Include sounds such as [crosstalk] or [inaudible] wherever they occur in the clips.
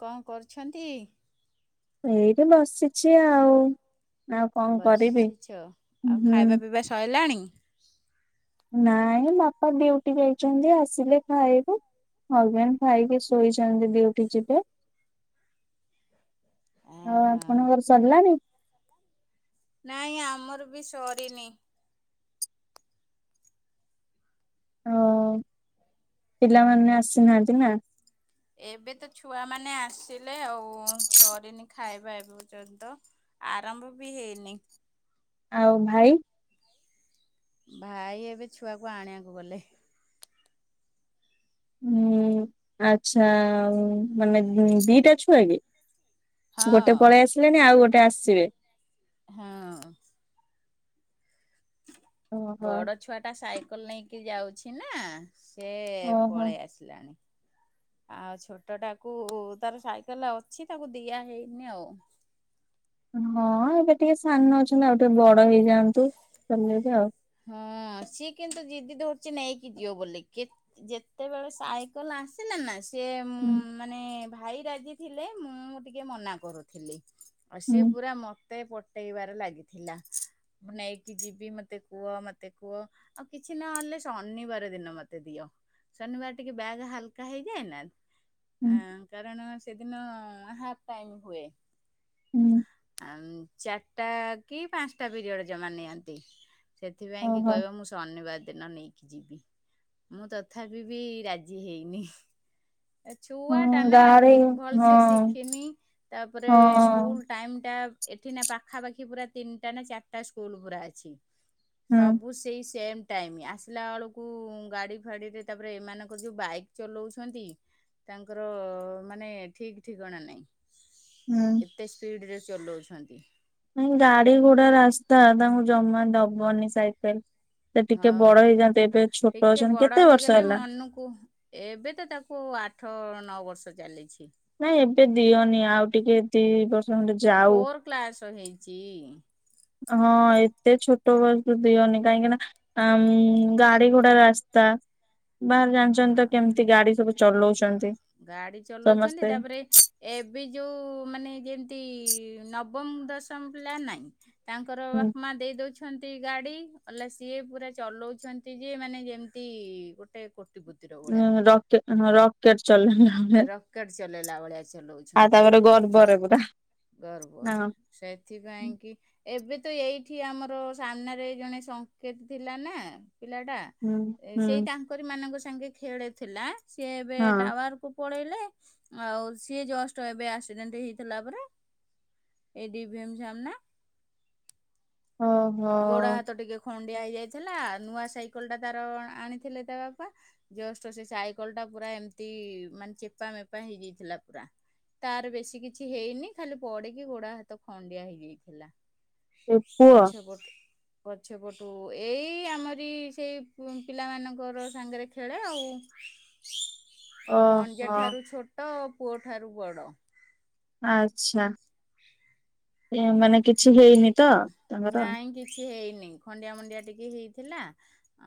କଣ କରୁଛନ୍ତି ଏଇଦ ବସିଚ ଆଉ ଆଉ କଁ କରିବି ବସିଛ ଆଉ ହୁଁ ଖାଇବା ପିଇବା ସଇଲାଣି? ନାଇଁ ମୋ ଆପା ଡିଉଟି ଯାଇଛନ୍ତି ଆସିଲେ ଖାଇବେ। ହବବେନ ଖାଇକି ଶୋଇଛନ୍ତି ଦଉଟି ଯିବେ। ଆଉ ଓହୋ ଆପଣଙ୍କର ସରିଲାଣି। ନାଇଁ ଆମର ବି ସରିନି। ଅ ପିଲାମାନେ ଆସିନାହାନ୍ତି ନା। ଏବେ ତ ଛୁଆମାନେ ଆସିଲେ ଆଉ ସରିନି ଖାଇବା ଏ ପର୍ଯ୍ୟନ୍ତ। ଆରମ୍ଭ ବି ହେଇନି। ଆଉ ଭାଇ। ଭାଇ ଏବେ ଛୁଆକୁ ଆଣିଆକୁ ଗଲେ। ହୁଁ ଆଚ୍ଛା ଉଁ ମାନେ ଇଁ ଦିଟା ଛୁଆ କି? ହଁ ଗୋଟେ ପଳେଇ ଆସିଲେଣି ଆଉ ଗୋଟେ ଆସିବେ। ହେଁଅଁ। ଓହୋ ବଡ଼ ଛୁଆଟା ସାଇକଲ୍ ନେଇକି ଯାଉଛି ନା। ସିଏ ଓହୋ। ପଳେଇ ଆସିଲାଣି। [inaudible] ଆ ଛୋଟଟାକୁ ତାର ସାଇକେଲା ଅଛି ତାକୁ ଦିଆ ହେଇନି ଆଉ। ହଁ ଏବେ ଟିକେ ସାନ ଅଛନ୍ତି ଆଉ ଟିକେ ବଡ଼ ହେଇଯାଆନ୍ତୁ ଚଲ୍ଲେଇବେ ଆଉ। ହଁ ସିଏ କିନ୍ତୁ ଜିଦି ଧରୁଛି ନେଇକି ଯିବ ବୋଲି କେତ୍ ଯେତେବେଳେ ସାଇକେଲ୍ ଆସିଲାନା ସିଏ ମୁଁ ହୁଁ ମାନେ ଭାଇ ରାଜି ଥିଲେ ମୁଁ ଟିକେ ମନା କରୁଥିଲି। ଆ ହୁଁ ସିଏ ପୁରା ମତେ ପଟେଇବାରେ ଲାଗିଥିଲା ନେଇକି ଯିବି ମତେ କୁଅ ମତେ କୁଅ କିଛି ନହଲେ ଶନିବାର ଦିନ ମତେ ଦିଅ। ଶନିବାର ଟିକେ ବ୍ୟାଗ ହାଲ୍କା ହେଇଯାଏନା ହୁଁ ଏ କାରଣ ସେଦିନ ହାପ୍ ଟାଇମ୍ ହୁଏ। ହୁଁ ଆମ୍ ଚାର୍ଟା କି ପାଁସ୍ଟା ପିରିୟଡ ଜମା ନିଅନ୍ତି। ସେଥିପାଇଁ କି ଓହୋ। କଇବ ମୁଁ ଶନିବାର ଦିନ ନେଇକି ଯିବି ମୁଁ ତଥାପି ବି ରାଜି ହେଇନି। ଏଛୁଆ ଟା ହଁ ନା ଗାଡି ଭଲ୍ସେ ହଁ ଶିଖିନି ତାପରେ ହଁ ସ୍କୁଲ ଟାଇମ୍ ଟା ଏଥି ନା ପାଖାପାଖି ପୁରା ତିନ୍ଟା ନା ଚାର୍ଟା ସ୍କୁଲ ପୁରା ଅଛି। ହୁଁ ସବୁ ସେଇ ସେମ୍। ଟାଇମ୍ ଆସିଲା ବଳକୁ ଗାଡ଼ି ଫାଡ଼ିରେ ତାପରେ ଏମାନଙ୍କ ଠୁ ବାଇକ୍ ଚଲଉଛନ୍ତି। ତାଙ୍କର ମାନେ ଠିକ୍ ଠିକଣା ନାଇଁ। ହୁଁ। ଏତେ ସ୍ପିଡ୍ ରେ ଚଲଉଛନ୍ତି। ଉଁ ଗାଡି ଗୁଡ଼ା ରାସ୍ତା ତାଙ୍କୁ ଜମା ଦବନି ସାଇକେଲ୍ ଆଉ ଛୋଟ ଟିକେ ଅଛନ୍ତି ବଡ଼ କେତେ ବର୍ଷ ହେଇଗଲେ ହେଲା? ମନକୁ ଏବେ ତ ତାକୁ କୁ ଆଠ ନ ବର୍ଷ ଚାଲିଛି। ନାଇଁ ଏବେ ଦିଅନି ଆଉ ଟିକେ ଦି ବର୍ଷ ଖଣ୍ଡେ ଯାଉ। [unintelligible] ହେଇଚି। ହଁ ଏତେ ଛୋଟ ବଲ୍ଠୁ ଦିଅନି କାଇଁକିନା ଆଁ ଉଁ ଗାଡ଼ି ଘୋଡ଼ା ରେ ଅସ୍ ତା ବାହାରେ ଜାଣିଛନ୍ତି ତ କେମ୍ତି ଗାଡ଼ି ସବୁ ଚଲଉଛନ୍ତି। ଗାଡି ଚଲଉଛନ୍ତି ସମସ୍ତେ ତାପରେ ଏବେ ଯୋଉ ମାନେ ଯେମ୍ତି ନବମ୍ ଦଶମ୍ ପିଲା ନାଇଁ ତାଙ୍କର ଉଁ ବାପ୍ ମା ଦେଇ ଦଉଛନ୍ତି। ଗାଡ଼ି ଅଲା ସିଏ ପୁରା ଚଲଉଛନ୍ତି ଯେ ମାନେ ଯେମ୍ତି ସେ ଉଁ ରକେଟ୍ ହଁ ରକେଟ୍ ଚଳେଇଲା ଭଳିଆ। ରକେଟ ଚଲେଇଲା ବଳେ ଆଏସି। ଆ ତାପରେ ଗର୍ବଗରେବୁରା। ଗର୍ବ ସେଥିପାଇଁ କି ଏବେ ତ ଏଇି ଏଠି ଆମର ସାମ୍ନାରେ ଜଣେ ସଂଙ୍କେପ୍ ଥିଲା ନା। ପିଲା ଟା ହୁଁ ଏ ହୁଁ। ସେଇ ତାଙ୍କରି ମାନଙ୍କ ସାଙ୍ଗେ ଖେଳୁଥିଲା ସିଏ ଏବେ ହଁ ଟାୱାର। କୁ ପଳେଇଲେ ଆଉ ସିଏ ଜଷ୍ଟ ଏବେ ଆକ୍ସିଡେଣ୍ଟ୍ ହେଇଥିଲା ପରା। ଏ ଡି ଭି ଏ ମ ସାମ୍ନା ‌। ଓହୋ ଗୋଡ ହାତ ଟିକେ ଖଣ୍ଡ ଖଣ୍ଡିଆ ହେଇ ଯାଇଥିଲା ନୂଆ ସାଇକେଲ ଟା ତାର ଆଣିଥିଲେ ତା ବାପା ଜଷ୍ଟ ସେ ସାଇକେଲ ଟା ପୁରା। ଏମତି ମାନେ ଚେପା ମେପା ହେଇଯାଇଥିଲା ପୁରା। ତାର ବେଶୀ କିଛି ହେଇନି ଖାଲି ପଡିକି ଗୋଡ ହାତ ଖଣ୍ଡିଆ ହେଇଯାଇଥିଲା। ଏ ପୁଅ। [inaudible] ପଛ ପଟୁ ଏଇ ଆମରି ସେଇ ପିଲାମାନାନଙ୍କ ର ସାଙ୍ଗରେ ଖେଳେ ଆଉ। [unintelligible] ମୋ ଭଣଜା ଓହୋ ଠାରୁ ଛୋଟ ପୁଅ ଠାରୁ ବଡ। ଆଛା, ଏ ମାନେ କିଛି। କିଛି ହେଇନି ତ ତାଙ୍କର। କିଛି ହେଇନି ନାଇଁ ଖଣ୍ଡିଆ ମଣ୍ଡିଆ ଟିକେ ହେଇଥିଲା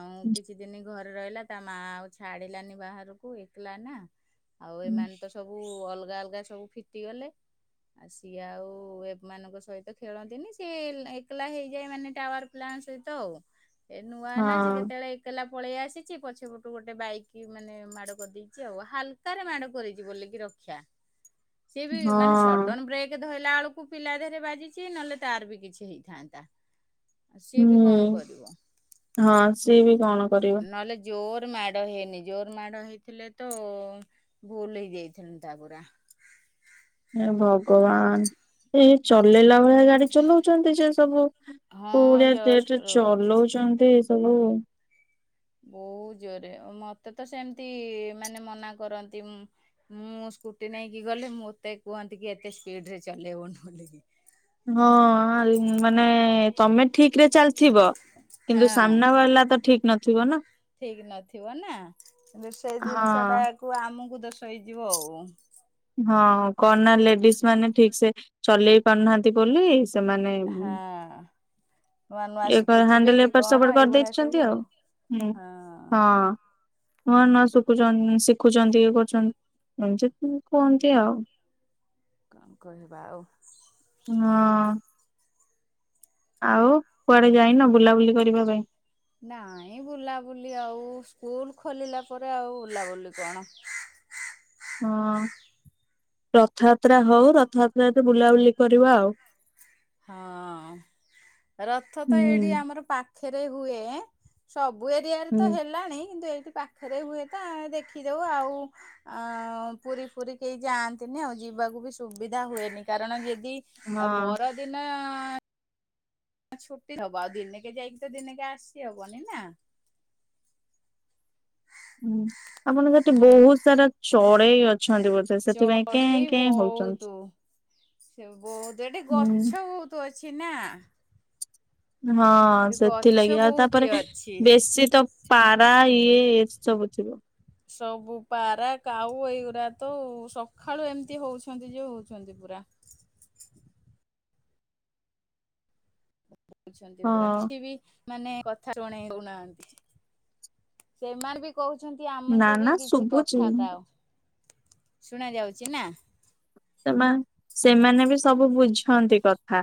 ଆଉ କିଛି ଦିନି। ଘରେ ରହିଲା ତା ମା ଆଉ ଛାଡିଲାନି ବାହାରକୁ ଏକଲା ନା ଆଉ ହଁ ଏମାନେ ତ ସବୁ। ସବୁ ଅଲଗା ଅଲଗା ସବୁ ଫିଟି ଗଲେ ଆଉ ସିଏ ଆଉ ଏମାନଙ୍କ ସହିତ। ଖେଳନ୍ତିନି ସିଏ ଏକଲା ହେଇଯାଏ ମାନେ ଟାୱାର ପିଲାଙ୍କ ସହିତ ଆଉ। ଏ ନୂଆ ନା ସେ କେତେବେଳେ ଏକଲା। ପଳେଇ ଆସିଛି ପଛ ପଟୁ ଗୋଟେ ବାଇକ ମାନେ ମାଡ଼ କରିଦେଇଛି ଆଉ ହାଲକାରେ ମାଡ଼ କରିଛି ବୋଲିକି ରଖ୍ କ୍ଷା। ହ [inaudible] ସିଏ ବି ମାନେ ସଡନ ବ୍ରେକ୍ ଧଇଲା ବେଳକୁ ପିଲା ଧେରେ ବାଜି ଚି ନହେଲେ ତାର ବି କିଛି ହେଇଥାନ୍ତା। ଆଉ ସିଏ ବି ହୁଁ, କଣ କରିବ। ହଁ ସିଏ ବି କଣ କରିବ। ନହେଲେ ଜୋର ମାଡ ହେଇନି ଜୋର ମାଡ ହେଇଥିଲେ ତ ଭୁଲ ହେଇଯାଇଥାନ୍ତା ପୁରା। ହେ ଭଗବାନ ଏ ଚଲେଇଲା ଭଳିଆ ଗାଡି ଚଲଉଛନ୍ତି ସେ ସବୁ କୋଉ ହଁ ଭଳିଆ ରେଟେର ଜଷ୍ଟ ଚଲଉଛନ୍ତି। ସବୁ। ବହୁତ ଜୋରେ ମତେ ତ ସେମିତି ମାନେ ମନା କରନ୍ତି ମୁ ମୁଁ ସ୍କୁଟି ନେଇକି ଗଲେ ମୋତେ କୁହନ୍ତି କି ଏତେ ସ୍ପିଡ ରେ ଚଲେଇବୁନି ବୋଲିକି। ହଁ ଆଲ୍ ମାନେ ତମେ ଠିକରେ ଚାଲିଥିବ କିନ୍ତୁ ହଁ ସାମ୍ନା ବାଲା ତ ଠିକ ନଥିବ ନା। ଠିକ ନଥିବ ନା କିନ୍ତୁ ସେଇ ଜିନିଷ ହଁ ଟାକୁ ଆମକୁ ଦୋ ଷ ହେଇଯିବ ଆଉ। ହଁ, କଣ ନା ଲେଡିଜ ମାନେ ଠିକ ସେ ଚଲେଇ ପାରୁନାହାନ୍ତି ବୋଲି। ସେମାନେ। ହଁ ନୂଆ ନୂଆ ଏ ଶିଖୁଥିବେ ହ୍ୟାଣ୍ଡେଲ କି ଏପଟ ସେପଟ କଣ ଏଇଭଳିଆ କରିଦେଇଛନ୍ତି ସବୁ ଆଉ। ହୁଁ ହଁ ହଁ। ନୁଆ ନୂଆ ଶିଖୁଛନ ଶିଖୁଛନ୍ତି ଇଏ କରୁଛନ୍ତି ଏମିତି। କୁହନ୍ତି ଆଉ। କଣ କହିବା ଆଉ? ହଁ। ଆଉ କୁଆଡେ ଯାଇନ ବୁଲାବୁଲି କରିବା ପାଇଁ? ନାଇଁ ବୁଲାବୁଲି ଆଉ ସ୍କୁଲ ଖୋଲିଲା ପରେ ଆଉ ବୁଲାବୁଲି କଣ। [unintelligible] ହଁ ରଥଯାତ୍ରା ହଉ ରଥଯାତ୍ରା ରେ ତ ବୁଲାବୁଲି କରିବା ଆଉ। ହଁ ରଥ ତ ହୁଁ ଏଇଠି ଆମର ପାଖ ଖେରେ ହୁଏ ସବୁ ଏରିଆରେ ହୁଁ ତ ହେଲାଣି କିନ୍ତୁ ଏଇ ଠି ପାଖରେ ହୁଏ ତ ଦେଖିଦଉ ଆଉ ଆ ପୁରୀ ପୁରୀ କେହି ଯାଆନ୍ତିନି ଆଉ। ଯିବାକୁ ବି ସୁବିଧା ହୁଏନି କାରଣ ଯେଦି ହଁ ପରଦିନ। ଛୁଟି ହବ ଆଉ ଦିନ କେ ଯାଇକି ତ ଦିନେକ ଆସିଛି ହବନି ନା? ହୁଁ ଆପଣ ସେଠି ବହୁତ ସାରା ଚଢେଇ ଅ ଛନ୍ତି ବୋଦେ ସେଥିପାଇଁ କେ ଚଢେଇ କେ ହଉଛନ୍ତି। ବହୁତୁ। ସେ ବହୁତ ଏଠି ହୁଁ ଗଛ ବହୁତ ଅଛି ନା? ହଁ ଏଠି ଗଛ ସେଥିଲାଗି ଆଉ ବହୁତି ତାପରେ ଅଛି। ବେଶୀ ତ ପାରା ଇଏ ଏମିତି ସବୁ ଥିବ। ସବୁ ପାରା, କାଉ ଏଇଗୁଡା ତ ସକାଳୁ ଏମିତି ହଉଛନ୍ତି ଯେ ହଉଛନ୍ତି ପୁରା। [inaudible] ହଉଛନ୍ତି ପୁରା ହଁ ବି ମାନେ କଥା ଶୁଣେଇ ଦଉନାହାନ୍ତି ସେମାନେ ବି କହୁଛନ୍ତି ନା ଆମକୁ ନା ବି କିଛି ଶୁଭୁଛି କଥା କାଅ। ଶୁଣାଯାଉଛି ନା? ସେମାନେ ସେମାନେ ବି ସବୁ ବୁଝନ୍ତି କଥା।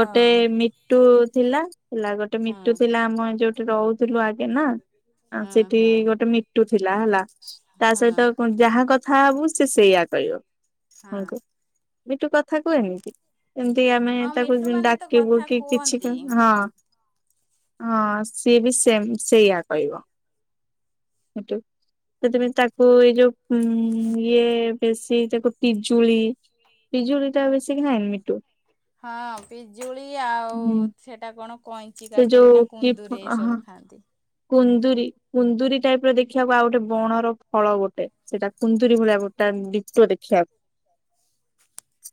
ଗୋଟେ ମିଟୁ ଥିଲା ହେଲା ଗୋଟେ ମିଟୁ ହଁ ଥିଲା ଆମ ଏଇ ଯୋଉ ସେଠି ରହୁଥିଲୁ ଆଗେ ନା ହଁ ସେଠି ହଁ ଗୋଟେ ମିଟୁ ଥିଲା ହେଲା। ତା ହଁ ସହିତ କଣ ଯାହା କଥା ହବୁ ସେ ସେଇଆ କହିବ। ହଁ। ଆମକୁ ମିଟୁ କଥା କୁହେ ନି କି? ଏମିତି ଆମେ ହଁ ତାକୁ ମିଟୁ ମାନେ ତ ଡାକିବୁ କଥା କି କିଛି ହଁ। କୁହନ୍ତି। ହଁ ସିଏ ବି ସେ ସେଇୟା କହିବ। ୁ ସେଥିପାଇଁ ତାକୁ ଏଇ ଯୋଉ ଉ ଇଏ ବେଶୀ ତାକୁ ପିଜୁଳି ପିଜୁଳି ଟା ବେଶୀ ଖାଏନି ମିଟୁ। ହଁ ପିଜୁଳି ଆଉ ସେଟା କଣ? କଇଁଚି ସେ କାକୁଡି ନା ଯୋଉ କି କୁନ୍ଦୁରି ଏଇ ହଁ ସବୁ ଖାଆନ୍ତି। କୁନ୍ଦୁରି କୁନ୍ଦୁରି ଟାଇପ ର ଦେଖିବାକୁ ଆଉ ଗୋଟେ ବଣର ଫଳ ଗୋଟେ ସେଇଟା କୁନ୍ଦୁରି ଭଳିଆ ଗୋଟେ ତା ଡିଟୋ ଦେଖିବାକୁ।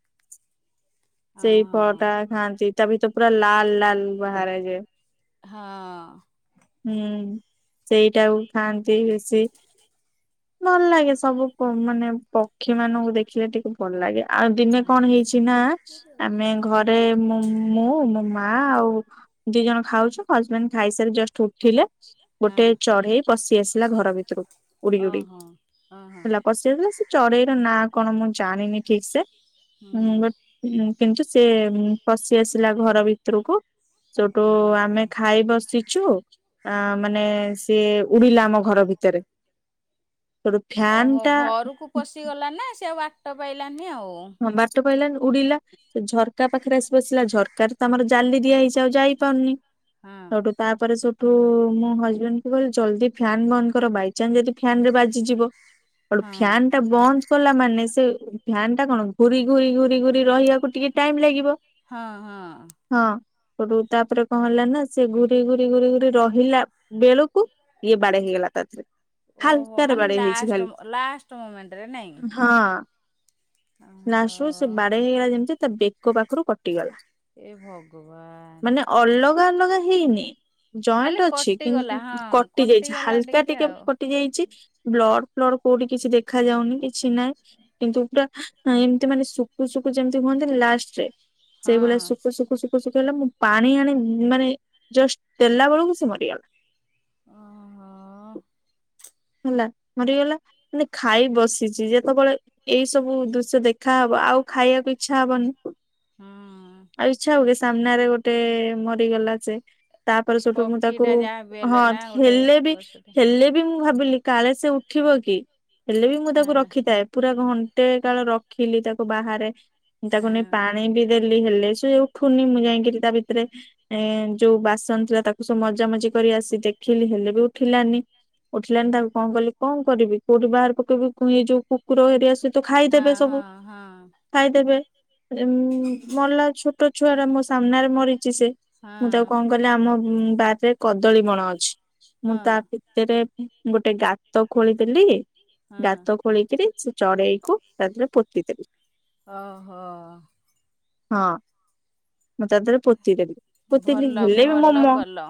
ସେଇ ହଁ ଫଳ ଟା ଖାଆନ୍ତି ତା ଭିତ ପୁରା ଲାଲ ଲାଲ ବାହାରେ ଯେ ହଁ ହୁଁ। ସେଇଟାକୁ ଖାଆନ୍ତି ବେଶୀ। ଭଲ ଲାଗେ ସବୁ ମାନେ ପକ୍ଷୀ ମାନଙ୍କୁ ଦେଖିଲେ ଟିକେ ଭଲ ଲାଗେ। ଆଉ ଦିନେ ହଁ କଣ ହେଇଛି ନା ଆମେ ଘରେ ମୋ ମୁଁ, ମୋ ମା, ଆଉ ଦି ଜଣ ଖାଉଛୁ ହସବେଣ୍ଡ ଖାଇସାରି ଜଷ୍ଟ ଉଠିଲେ। ହଁ ଗୋଟେ ହଁ ଚଢେଇ ପଶି ଆସିଲା ଘର ଭିତରକୁ ଉଡି ଉଡି। ଓହୋ ଓହୋ। ହେଲା ପଶିଆସିଲା ସେ ଚରେଇର ନା କଣ ମୁଁ ଜାଣିନି ଠିକ ସେ ବଟ ହୁଁ। କିନ୍ତୁ ସେ ପଶି ଆସିଲା ଘର ଭିତରକୁ। ସେଠୁ ହଁ। ଆମେ ଖାଇ ବସିଛୁ ଆ ମାନେ ସିଏ ଉଡିଲା ଆମ ଘର ଭିତରେ। ସେଠୁ ଫ୍ୟାନ ଓହୋ ଟା ଘରକୁ ପଶିଗଲା ନା ସେ ଆଉ ବାଟ ପାଇଲାନି ଆଉ। କହିଲାନି ଉଡିଲା ସେ ଝରକା ପାଖରେ ଆସି ବସିଲା ଝରକା ତ ଆମର ଜାଲି ଦିଆ ହେଇଛି ଆଉ ଯାଇପାରୁନି ହଁ ସଠୁ ତାପରେ ତୁ ମୋ ହଜବେଣ୍ଡ କୁ କହିଲେ ଜଲଦି ଫ୍ୟନ୍ ବନ୍ଦ କର ବାଇଚନ୍ସ ଯଦି ଫ୍ୟାନ ରେ ବାଜିଯିବ। ଆ ହଁ। ଫ୍ୟନ୍ ଟା ବନ୍ଦ କଲା ମାନେ ସେ ଫ୍ୟନ କଣ ଘୁରି ଘୁରି ଘୁରି ଘୁରି ରହିବାକୁ ଟିକେ ଟାଇମ ଲାଗିବ। ହଁ ହଁ। ସେଟୁ ତାପରେ କଣ ହେଲା ନା ସେ ଘୁରି ଘୁରି ଘୁରି ଘୁରି ରହିଲା ବେଳକୁ ଇଏ ବାଡେ ହେଇଗଲା ତା ଦେହରେ। ଓହୋ ହାଲକାରେ ମାନେ ବାଡେଇ ହେଇଛି ଲାଷ୍ଟ ଖାଲି ଲାଷ୍ଟ ମୋମେଣ୍ଟରେ ନାଇଁ। ହଁ। ଓହୋ ନାଷ୍ଟ ବେଳକୁ ସେ ବାଡେଇ ହେଇଗଲା ଯେମିତି ତା ବେକ ପାଖରୁ କଟି ଏ ଭଗବାନ। ମାନେ [unintelligible] ହେଇନି। ଜଏଣ୍ଟ ଖାଲି ଅଛି। କିନ୍ତୁ କଟିଗଲା ହଁ କଟି ଯାଇଛି, କଟିଗଲା ହାଲକା ଟିକେ ଆଉ କଟି ଯାଇଛି ବ୍ଲଡ ର କୋଉଠି କିଛି ଦେଖା ଯାଉନି କିଛି ନାହିଁ। କିନ୍ତୁ ପୁରା ହଁ ଏମିତି ମାନେ ଶୁକୁ ଶୁକୁ ଯେମିତି ହୁଅନ୍ତିନି, ଲାଷ୍ଟ ରେ ସେଇଭଳିଆ ହଁ ଶୁକୁ ଶୁକୁ ଶୁକୁ ଶୁକୁ ମୁଁ ପାଣି ଆଣି ମାନେ ଜଷ୍ଟ ଦେଲା ବେଳକୁ ସେ ମରିଗଲା। ଓ ହଁ। ହେଲା ମରିଗଲା। ମାନେ ଖାଇ ବସିଛି ଯେତେବେଳେ ଏଇ ସବୁ ଦୃଶ୍ୟ ଦେଖାହବ ଆଉ ଖାଇବାକୁ ଇଚ୍ଛା ହବନି। ହୁଁ ଆଉ ଇଛା ହବକି, ସାମ୍ନାରେ ଗୋଟେ ମରିଗଲା ଯେ। ତାପରେ ସେଠୁ ମୁଁ ତାକୁ ପକ୍ଷୀଟା ଯାହା ବି ହେଲେ ହଁ ନା ଗୋଟେ ହେଲେ ବି ପଶୁଟେ ହେଲେ ବି ମୁଁ ମୁଁ ଭାବିଲି କାଳେ ସେ ଉଠିବ କି, ହେଲେ ବି ମୁଁ ତାକୁ ହଁ ରଖିଥାଏ। ପୁରା ଘଣ୍ ଟେ କାଳ ରଖିଲି ତାକୁ ବାହାରେ, ତାକୁ ନେଇ ହଁ। ପାଣି ବି ଦେ ହେଲେ ସିଏ ଉଠୁନି। ମୁଁ ଯାଇକରି ତା ଭିତରେ ଯୋଉ ବାସନ ଥିଲା ତାକୁ ସବୁ ମଜାମଜି କରି ଆସି ଦେଖିଲି ହେଲେ ବି ଉଠିଲାନି। ଉଠିଲାନି, ତାକୁ କଣ କଲି କଣ କରିବି କୋଉଠି ବାହାର ପକେଇବି, ଏଇ ଯୋଉ କୁକୁର ହେରିକା ସେ ତ ହଁ ଖାଇଦେବେ ସବୁ ହଁ ହଁ। ଖାଇଦେବେ। ଉଁ ମଲା ଛୋଟ ଛୁଆ ଟା ମୋ ସାମ୍ନାରେ ମରି ସେ ମୁଁ ତାକୁ ହଁ କଣ କଲି ଆମ ବାରରେ କଦଳୀ ବଣ ଅଛି। ହଁ ମୁଁ ତା ଭିତରେ ଗୋଟେ ଗାତ ଖୋଳିଦେଲି ହଁ ଗାତ ଖୋଳକିରି ସେ ଚଢେଇକୁ ତା ଦିହରେ ପୋତିଦେଲି। ଓହୋ। ହଁ ତା ଦେହରେ ପୋ ପୋତିଦେଲି। ଭଲ ହେଲେ ବି ମୋ ଭଲ ମ କଲ।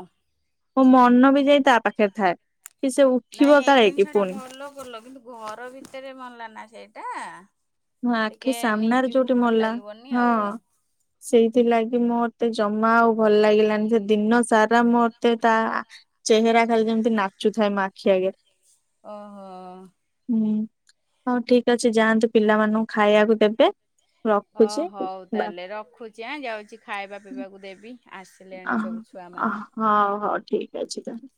ମୋ ମନ ବି ଯାଇ ତା ପାଖରେ ଥାଏ। କି ସେ ଉଠିବ ନାଇଁ ଏଇ କାଳେ କି ଜିନିଷ ଟା ପୁଣି ଭଲ କଲ। କିନ୍ତୁ ଘର ଭିତରେ ମନଲା ନା ସେଇଟା। ମୋ ଆଖି ଟିକେ ସାମ୍ନାରେ ନିଜକୁ ଯୋଉଠି ଭଲ ମଲା। ଲାଗିବନି ହଁ ଆଉ ସେଇଥିଲାଗି ମୋ ମତେ ଜମା ଆଉ ଭଲ ଲାଗିଲାନି। ସେ ଦିନ ସାରା ମୋତେ ତା ଚେହେରା ଖାଲି ଯେମିତି ନା ଚୁଥାଏ ମୋ ଆଖି ଆଗରେ। ଓହୋ। ହୁଁ, ହଉ ଠିକ ଅଛି ଯାଆନ୍ତୁ ପିଲାମାନଙ୍କୁ ଖାଇବାକୁ ଦେବେ। ଓ ରଖୁଛି ହଉ ବା ତାହେଲେ ରଖୁଚି। ଆଁ ଯାଉଛି ଖାଇବା ପିଇବାକୁ ଦେବି। ଅ ଆସିଲେଣି ସବୁ ଅ ଛୁଆମାନେ। ହଉ ହଉ ଠିକ୍ ଅଛି ତାହେଲେ।